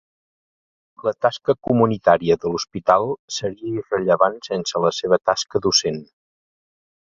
La tasca comunitària de l'hospital seria irrellevant sense la seva tasca docent.